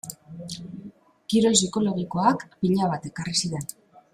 Kirol psikologiak pila bat ekarri zidan.